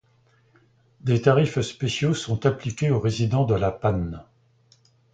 Des tarifs spéciaux sont appliqués aux résidents de La Panne.